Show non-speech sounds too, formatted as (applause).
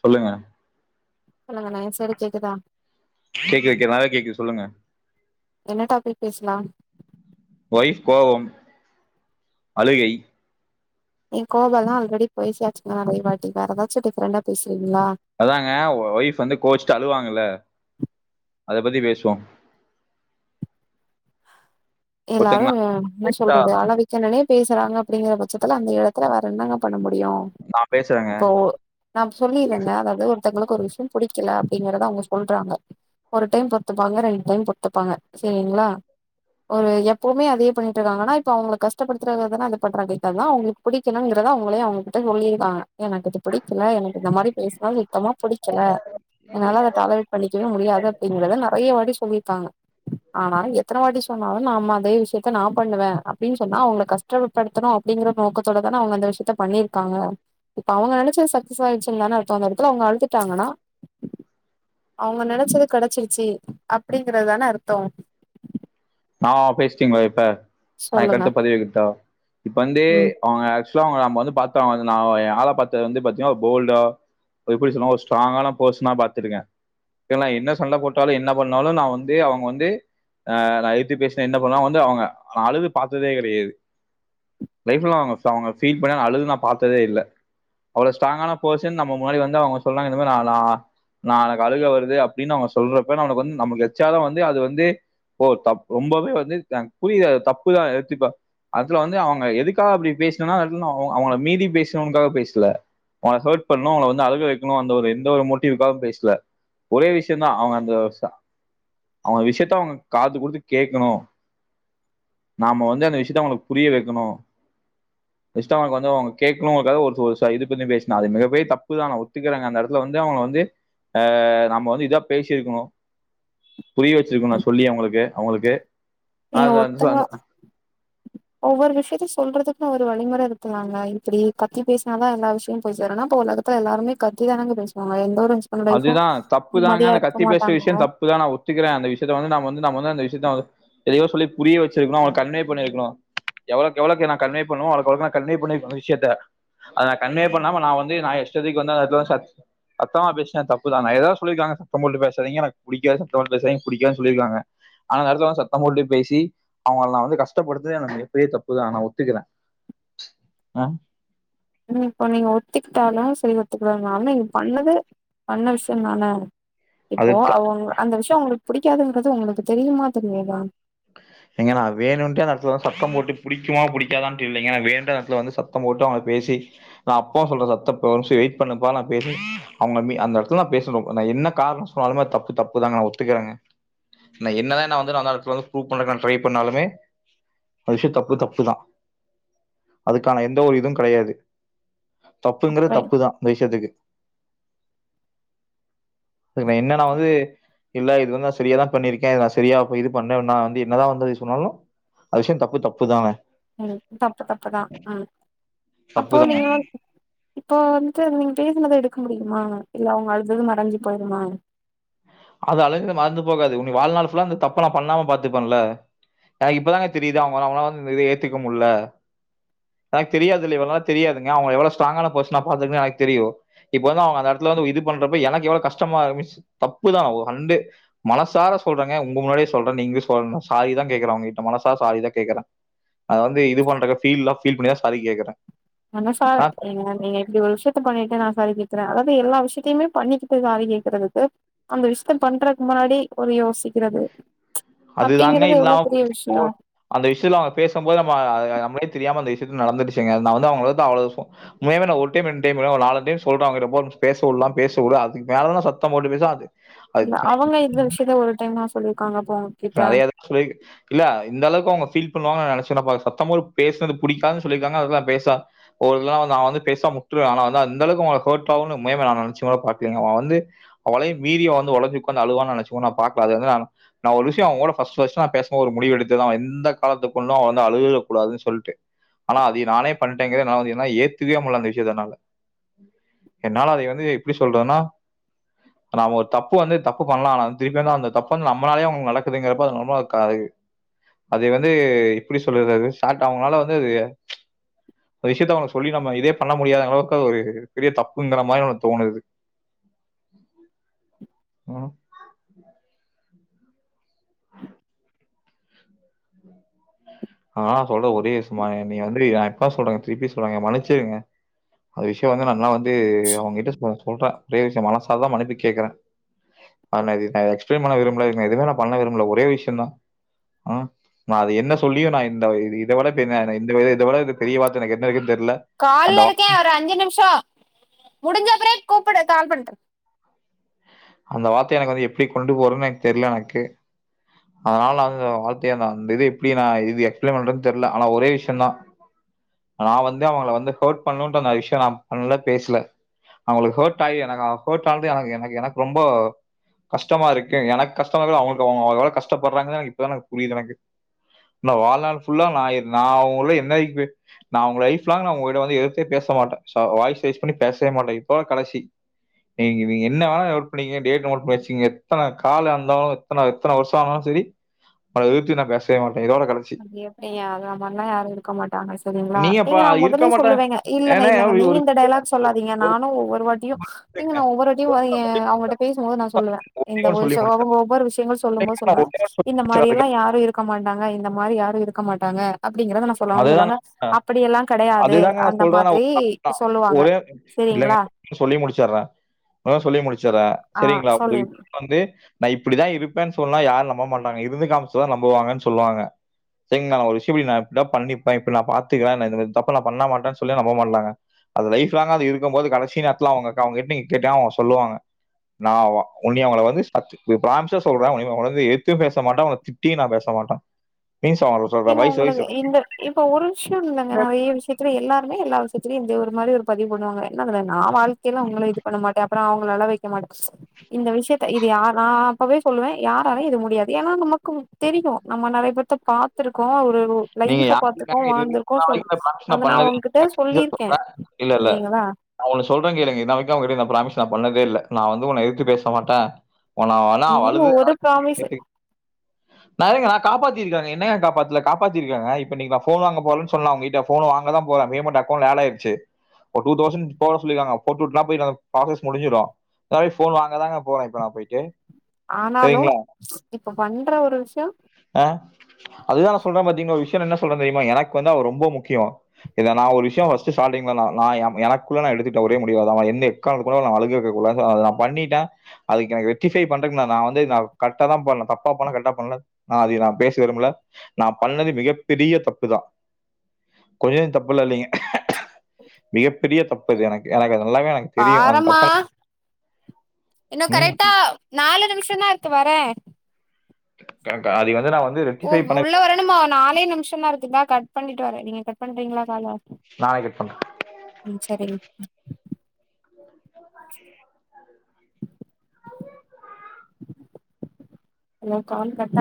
சொல்லுங்க hello (inaudible) sir கேக்குதா (inaudible) நல்லா கேக்குது சொல்லுங்க என்ன டாபிக் பேசலா வைஃப் கோவம் அழுகை ஏ கோவோளா ஆல்ரெடி போய் (unintelligible) வேற எதாச்சு டிஃபரண்டா பேசுறீங்களா அதாங்க ஒ ஒய்ஃப் வந்து கோச்சுட்டு அழுவாங்கல அத பத்தி பேசுவோ எல்லாரு ஒருத்தங்க என்ன சொல்றது அழவி என்னனே பேசுறாங்க அப்படிங்கற பட்சத்துல அந்த எடத்துல வேற என்னங்க பண்ண முடியு நா பேசுறேங்க இப்ப ஓ நா சொல்லீரங்க அதாவது ஒரு ஒருத்தங்களுக்கு ஒரு விஷயம் புடிக்கல அப்படிங்கறத அவங்க சொல்றாங்க ஒரு டைம் பொறுத்துப்பாங்க ரெண்டு டைம் பொறுத்துப்பாங்க செரிங்களா ஒரு எப்பவுமே அதையே பண்ணீட்டுருக்காங்கன் னா இப்ப அவுங்கள கஷ்டப்படுத்தறதாதான அது பண்றாங்க இதல்லா அவுங்களுக்கு பிடிக்கலன்றத அவுங்ளே அவுங்ககிட்ட சொல்லீர்க்காங்க எனக் இது பிடிக்கல எனக்கு இந்த மாரி பேஸ்னா சுத்தமா புடிக்கல என்னால அத (unintelligible) பண்ணிக்கவே முடியாது அப்டிங்றத நெறைய வாட்டி சொல்லீர்க்காங்க ஆனா எத்தன வாட்டி சொ சொன்னாலு நாம அதே விஷ்யத்த நா பண்ணுவே அப்டின் சொன்னா அவுங்கள கஷ்டப்படுத்தணு அப்டிங்கற நோக்கத்தோட தான அவுங்க அந்த விஷ்யத்த பண்ணீர்க்காங்க இப்ப அவுங்க நெனச்சது சக்சஸ் ஆயிர்ச்சின்தான அர்த்தோ அந்த எடத்துல அவுங்க அழுதுட்டாங்கனா அவங்க நெனச்சது கெடச்சிருச்சி அப்டிங்கறத் தான அர்த்தோ ஆ ஆ பேஸ்ட்டீங்ளா இப்ப நா எ சொல்லுங்க கருத்த பதிவிடட்டா இப்ப வந்து ம் அவுங்க ஆக்சுலா அவுங்க நம்ப வந்து பாத்தவ வந் ஞாபகோ ஏ ஆள பாத்தது வந்து பாத்தீன்னா ஒரு போல்டா அத எப்டி சொல்வோ ஒரு ஸ்ட்ராங்கான பர்ஸ்னா பாத்துருக்கே சுலா நா என்ன சண்ட போட்டாலு என்ன பண்ணாலு நா வந்து அவுங் வந்து ஆ நா கத்தி பேஸ்னா என்ன பண்ணுவாங் நா வந்து அவுங்க அழுது பாத்ததே கெடையாது லைஃப் எல்லா அவங் ஸ் அவங்க ஃபீல் பண்ணி அழுது நா பாத்ததே இல்ல அவ்ளோ ஸ்ட்ராங்கான பர்சன் நம்ம முன்னாடி வந்து அவுங்க சொன்னாங்க இந்த மாரி நா லா நா எனக் அழுக வருது அப்டின்னு அவுங்க சொல்றப்ப நா ஒனக் வந்து நம்ளுக் எச்சா தா வந்து அது வந்து ஓ தப் ரொம்பவே வந்து எனக் புரியிது அது தப்புதா ஏத்திப்ப ஆக்சுலா வந்து அவங்க எதுக்காக அப்டி பேஸ்னன்னா வந் அவுங் அவுங்கள மீறி பேஸ்ணுன்க்காக பேஸ்ல அவுங்கள ஹேர்ட் பண்ணு அவுங்கள வந்து அழுக வெக்கணு அந்த ஒரு எந்த ஒரு மோட்டீவ்காக பேஸ்ல ஒரே விஷ்யந்தா அவுங்க அந்த சா அவுங்க விஷ்யத்த அவுங்க காது குடுத்து கேக்கணு நாம வந்து அந்த விஷ்யத்த அவுங்களுக் புரிய வெக்கணு ஜஸ்ட்டு அவுங்களுக் வந்து அவுங்க கேக்கணுங்கறக்காக ஒர்த்து ஒரு சா இது பத்தி பேஸ்ன அது மிகப்பெரிய தப்புதா நா ஒத்துக்கிறங்க அந்த எடத்துல வந்து அவுங்கள வந்து அ நம்ம வந்து இதா பேசீர்க்கணு புரிய வெச்சிருக்கணு நா சொல்லி அவுங்களுக்கு அவுங்களுக்கு ஏங்க ஒர்த்தங்க ஒவ்வொரு விஷ்யத்தையு சொல்றதுக்குன் ஒரு வழிமுற இருக்குல்லாங்க இப்பிடி கத்தி பேஸ்னாதா எல்லா விஷ்யோ போய் சேருன்னா அப்போ உலக த்துல எல்லாருமே கத்திதானங்க பேஸ்வாங்க எந்த ஒரு ஹஸ்பண்ட் ஒய்ஃபு அதுதா தப்பு தாங்க நிம்மதியா அந்த இருக்க கத்தி பேஸ்ற விஷ்யோ மாட்டாங்கங்க தப் பு தா நா ஒத்துக்கிறே அந்த விஷ்யத்த வந்து நாம வந்து நா வந்து அந்த விஷ்யத்த அவுங் எதையோ சொல்லி புரிய வச்சிருக்கணு அவுங்கள கன்வே பண்ணிருக்கணு எவளோக் எவளோக்ங்க நா கன்வே பண்ணோ அவளோக் அவளோக்கு நா கன்வே பண்ணீர்க்கனு விஷ்யத்த அத நா கன்வே பண்ணாம நா வந்து நா ஏ இஷ்டத்துக் வந்து அந்த எட்த்துல வந் சத் சத்தமா பேசி ட்டே தப்பு தா நா எதாது சொல்லிருக்கலாங்க சத்தம் போட்டு பேசாதிங்க எனக் புடிக்காது சத்தம் போட் பேசாதீங்க எனக் புடிக்காதுன் சொல்லிருக்கலாங்க ஆனா அந்த எடத்துல வந் சத்தம் போட்டு பேசி அவுங்கள நா வந்து கஷ்டப்படுத்துன்தே எனக் மிகப்பெரிய தப்புதா நா ஒத்துக்கிறே ஆ ம் இப்ப நீங்க ஒத்துக்கிட்டாலு செரி ஒத்துக்கலன்னாலு நீங்க பண்ணது பண்ண விஷ்யோ தான அது இப்போ த- அவுங் அந்த விஷ்யோ அவுங்களுக் புடிக்காதுங்றது உங்களுக்கு தெரியுமா தெரியாதா ஏங்க நா வேணுன்ட்டே அந்த எடத்துல வந்து சத்தம் போட்டு புடிக்குமா புடிக்காதான்ட்டு இல்லைங்க வேணுன்ட்டே அந்த எடத்துல வந்து சத்தம் போட்டு அவுங்கள பேசி நா அப்பவு சொல்றே சத்தப் ஒரு நிம்ஷோ வெயிட் பண்ணப்பா நா பேசின் அவுங்க மீ அந்த எடத்துல நா பேசணு நா என்ன கார்ணோ சொன்னாலுமே அது தப்பு தப்பு தாங்க நா ஒத்துக்கிறேங்க நா என்னதா நா வந்து நா வந்து அந்த எட்த்துல வந்து ப்ரூஃப் பண்ணறக்கு நா ட்ரை பண்ணாலுமே அது விஷ்யோ தப்பு தப்பு தா அதுக்கான எந்த ஒரு இது கெடையாது தப்புங்கறது ரைட் தப்புதா அந்த விஷ்யத்துக்கு இப்ப என்ன நா வந்து இல்ல இது வந்து நா சரியாதா பண்ணிருக்கே இது நா சரியா போய் இது பண்ணே நா வந்து என்னதா வந்து இது சொன்னாலு அது விஷ்யோ தப்பு தப்புதாங்க ம் தப்பு தப்புதா ம் தப்பு அப்போ தான் நீங்க இப்போ வந்து நீங்க பேசினத எடுக்க முடியுமா இல்ல அவங்க அழுதது மறஞ்சு போயிருமா அது அழுதது மறந்து போகாது உன்ன வாழ்நாள் ஃபுல்லா இந்த தப்ப நா பண்ணாம பாத்துப்பேல எனக்கு இப்பதாங்க தெரியுது அவங்க அவுங்க வந்து இத ஏத்துக்க முல்ல எனக்கு தெரியாதுல்ல இவ்ளோ நாள் தெரியாதுங்க அவங்க எவளோ ஸ்ட்ராங்கான பர்சனா பாத்துருக்கேன்னு எனக்கு தெரியு இப்ப வந்து அவங்க அந்த எடத்துல வந்து இது பண்றப்ப எனக்கு எவ்ளோ கஷ்டமா மீன்ஸ் தப்பு தா ஹண்டு மனசார சொல்றங்க உங்க முன்னாடியே சொல்ற நீங்களு சொன்னா சாரி தா கேக்கற உங்க கிட்ட மனசார சாரிதா கேக்கற அத வந்து இது பண்ற ஃபீல்ல ஃபீல் பண்ணிதா சாரி கேக்கற மனசார நீங் நீங்க இப்டி ஒரு விஷயத் த பண்ணிட்டு நா சாரி கேட்கற அதாவது எல்லா விஷயத்துமே பண்ணிக்கிட்டு சாரி கேக்குறதுக்கு அந்த விஷயத்த பண்றதுக்கு முன்னாடி ஒரு யோசிக்கிறது அதுதாங்க அப்படிங்கறது எவ்ளோ இல்லாம பெரிய போயிடுச்சு. போ விஷயு அந்த விஷயத்துல அவுங்க பேசும்போது நம்ம நம்ளுக்கே தெரியாம அந்த விஷயத்து நடந்துருடுச்சுங்க நா வந்து அவுங்க அவ் அவ்ளோ சொ உண்மையாவே நா ஒரு டைம் ரெண்டு டைம் ஒரு நாலு டைம் சொல்ற அவுங்கிட்ட போன் பேச உட்லா பேச உடு அதுக்கு மேலா தா சத்தம் போட்டு பேச அது அது இல்ல அவுங்க இந்த விஷயத்த ஒரு டைம்மா சொல்லியிருக்காங்கப்ப உங்க கிட்ட சொல்லிருக் இல்ல இந்த அளவுக்கு அவுங்க ஃபீல் பண்ணுவாங்க நா நெனச்சு கூட பாக்ல சத்தம் போட் பேசனது புடிக்காதுன்னு சொல்லிருக்காங்க அதெல்லா பேசா ஒரு இதா நா வந்து பேசாம உட்ருவே ஆனா வந்து அந்த அளவுக்கு அவங்களுக்கு ஹர்ட் ஆகுனு உண்மையாவே நா நனச்சு கூட பாக்ளீங்க அவ வந்து அவங்களை மீரி வந்து உடஞ்ச உக்கந்து அழுவான் நா நனச்சுக்கூட நா பாக்ல அது வந்து நா நா ஒரு விஷயம் அவுங் கூட ஃபர்ஸ்ட் ஃபர்ஸ்ட் நா பேசும் போ நா ஒரு முடிவு எடுத்துதா எந்த காலத்துக் கொண்டு அவ வந்து அழுகக்கூடாதுன்னு சொல்ட்டு ஆனா அது நானே பண்ணிட்டேங்கிறது நா வந்து என்னால ஏத்துகவே முடில அந்த விஷயத்த என்னால என்னால அதை வந்து எப்டி சொல்றதுன்னா நம்ம ஒரு தப்பு வந்து தப்பு பன்லா ஆனா அந்த திருப்பி வந்து அந்த தப்பு வந்து நம்ம நம்மாலே அவுங்க நடக்குதுங்கிறப்ப அது நமக்காது அது வந்து எப்டி சொல்லுறது அது ஸ்டார்ட் அவங்களால வந்து அது அந்த விஷயத்த அவங்க சொல்லி நம்ம இதே பண்ண முடியாத அளவுக்கு அது ஒரு பெரிய தப்புங்கற மாரி எனக் தோணுது ம் நா சொல்ற ஒரே நிமிசமா நீ வந்து இப்ப சொல்றங்க திருப்பி சொல்றங்க மன்னிச்சுடுங்க அந்த விஷயம் வந்து நல்லா வந்து அவங்ககிட்ட சொ சொல்ற நறைய விஷய மனசாரதா மன்னிப்பு கேக்ற ஆனா இது நா எக்ஸ்பளைன் பண்ண விரும்பலங்க எதுவுமே நா பண்ண விரும்பல ஒரே விஷயந்தா ஆ அது என்ன சொல்லியு நா இந்த இத விட இந்த இதோட பெரிய வார்த்த எனக்கு என்ன இருக்கு தெர்ல கால்ல இருக்கேன் ஒரு அஞ்சு நிமிஷம் முடிஞ்ச அப்பரே கூப்பிடு கால் பண்ணறேன் அந்த வார்த்தைய எனக்கு வந்து எப்டி கொண்டு போறதுன்னு எனக்கு தெர்ல எனக்கு அதனால அந்த வார்த்தைய அந்த இது எப்டி நா இது எக்ஸ்பிளைன் பண்ற தெர்ல ஆனா ஒரே விஷய தா நா வந்து அவங்கள வந்து ஹர்ட் பண்ணுன்ற அந்த விஷயம் நா பண்ல பேசல அவங்களுக்கு ஹர்ட் ஆயி எனக்கு ஹர்ட்டானது எனக்கு எனக்கு எனக்கு ரொம்போ கஷ்டமா இருக்கு எனக்கு கஷ்டம் அவங்களுக்கு அவங்க எவ்ளோ கஷ்டப்படுறாங்கது எனக் இப்பதா எனக் புரிது எனக்கு நா வாழ்நாள் ஃபுல்லா நா நா அவுங்கள என்ன (unintelligible) நா உங்க லைப்லாங் நா உங்ககிட்ட வந்து எதுத்தே பேச மாட்ட சோ வாய்ஸ் ரைஸ் பண்ணி பேசவேமாட்ட இப்பவே கடைசி நீங்க நீங்க என்னவேனா நீங்க டேட் நோட் பண்ணி வச்சிகிங்க எத்தன கால இருந்தாலு எத்தன எத்தன வருஷம் ஆனாலு செரி அவ எதித்து நா பேசவே மாட்ட இதோட கடசி அது எப்படியங்க அது மாரிலா யாரு இருக்க மாட்டாங்க செரிங்களா நீங்கப்பா ஏங்க நா அது இருக்க மொதலே மாட்டே சொல்லுவேங்க இல்லங்க ஏன்னா இல்லங்க ஒரு நீங்க இந்த டைலாக் சொல்லாதீங்க நானு ஒவ்வொரு வாட்டியு ஏங்க நா ஒவ்வருவாட்டியு வரையே அவங்கட்ட பேசும்போது நா சொல்லுவே ஒன்னே இந்த ஒன்னு ஒரு சொல்லி விசயோ ஒவ்வொரு விஷயங்கள் சொல்லும்போது சொல்லுவேன் முடிச்சிடுறே இந்த மாரி எல்லா யாரு இருக் மாட்டாங்க இந்த மாரி யாரு இருக்க மாட்டாங்க அப்படிங்கறத நா சொல்லுவாங்க அதுதா சொல்லுவாங்க அப்டியல்லா கெடையாது அதுதாங்க நா அந்த சொல்றே நா மாதிரி சொல்லுவாங்க ஒரே இல்லங்க செரிங்களா சொல்லி முடிச்சறே அதா சொல்லி முடிச்சறே ஆ செரிங்களா சொல்லி புதுவி வந்து நா இப்படிதா இருப்பேன்னு சொன்னா யாரு நம்ப மாட்டாங்க இருந்து காமிச்சாதா நம்புவாங்கன்னு சொல்லுவாங்க செரிங்க நா ஒரு விஷயபடி நா இப்டிதா பண்ணிப்பேன் இப்டி நா பாத்துக்கிறேன் நா இந்தமாரி தப்ப நா பண்ண மாட்டேன்னு சொல்ல நம்ப மாட்டாங்க அது லைப் லாங்கா அது இருக்கு போது கடைசி நேரத்துல அவங்க அக்கா அவங்க கிட்ட நீங்க கேட்டா அவங்க சொல்லுவாங்க நா உ உன்னிய அவங்கள வந்து சாத்து இப்ப பிராமிசா சொல்றே உன்னய உன்னய வந்து எதுத்து பேசமாட்டே உனன திட்டியு நா பேச மாட்டே இப்பயு சொல் சொல்றே ஏங்க வய்சு வய்சு உங்களுக்கு இந்த இப்ப ஒரு விஷயனு இல்லங்க நெறைய விஷயோ இப்டி எல்லாருமே எல்லா விஷயத்துலேயு இப்டி ஒரு மாரி ஒரு பதி பண்ணுவாங்க என்னங்குற நா வாழ்க்கையில உங்கள இது பண்ணமாட்டே அப்ரோ அவங்கள அழ வெக்க மாட்டே இந்த விஷயத்த இது யா நா அப்பவே சொல்லுவே யாராலே இது முடியாது ஏன்னா நமக்கு தெரியு நம்ம நெறைய பேத்த பாத்திருக்கோ ஒரு ஒ நீங்க லைஃப பாத்துக்கோ யாருக்காக இது வாழ்ந்திர்கோ சோ வரைக்கும் அத நான் நா பண்ணதே அவங்கிட்ட சொல்லியிருக்கே செரிங்களா நா ஒண்ணு சொல்றேங் கேளுங்க இன்ன வரைக்கும் அவங்கிட்ட நா பிராமிஸ் நா பண்ணதே இல்ல நா வந்து உன்ன எதுத்து பேச மாட்டே உன்ன வென அவ இது அழுது ஒரு ப்ராமிஸ் (unintelligible) நெறையா காப்பாத்தி இருக்காங்க என்னயா காப்பாத்துல காப் பாத்திருக்கங்க இப்ப இன்னிக்கு நா ஃபோன் வாங்க போறலன்னு சொன்னா அவங்க கிட்ட ஃபோன் வாங்கதா போறன் பேமெண்ட் அக்கவுண்ட்ல ஆட் ஆயிடுச்சு இப்ப டூ தௌசண்ட் போட சொல்லிருக்காங்க போட்டுவுட்னா போய் நா பிராசஸ் முடுஞ்சிடும் இப்பவே ஃபோன் வாங்கதாங்க போறே இப்ப நா போயிட்டு ஆனாலும் சரிங்களா? ம்ச் இப்ப பண்ற ஒரு விஷயோ ஆ அதுதா நா சொல்றேன் பாத்தீங்னா ஒரு விஷயம் என்ன சொல்றேன் தெரியுமா எனக்கு வந்து அவ ரொம்போ முக்கியோ இல்ல நா ஒரு விஷயம் ஃபஸ்ட் ஸ்டாட்டிங்கள நா நா என எனக்குள்ள நா எடுத்துக்கிட்ட ஒரே முடியாது அதா அவ என்னே எக்காரணத்துக்கு கூட அவள அழுகேயே வைக்க கூட அத நா பண்ணிட்டே அதுக்கு எனக்கு ரெக்ட்டிஃபை பண்றதுக்கு நா நா வந்து நா கரெக்டா தா பண்ண தப்பா பண்ண கரெக்டா பண்ல நா அதைய நா பேச விரும்பல நா பண்ணது மிகப்பெரிய தப்பு தா கொஞ்சனு தப்புல்லா இல்லைங்க மிகப்பெரிய தப்பு அது எனக்கு எனக்கு அது நல்லாவே எனக் வாரம்மா இன்னு ம், கரக்டா நாலு நிமிஷம் தா இருக்கு வரேன் கரெக்ட்டு அதுக்கு வந்து நா வந்து ஓ ரெக்டிஃபை பண்ண உள்ள வரணுமா நாலே நிமிஷம் தா இருக்கு இந்த கட் பண்ணிட்டு வரேன் நீங்க கட் பண்றீங்களா கால நானே கட் பண்றே ம் செரிங்க (inaudible) இன்னு கால் கட் அக